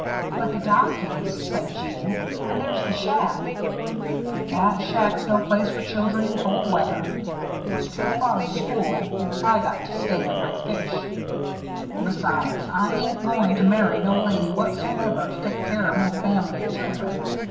"But the dock is," said Jeanne. "And there's the shack " "That shack's no place for children in cold weather. It's too far to school and I got to stay with my fish. Besides, I ain't goin' to marry no lady whatsoever to take care of no family of children.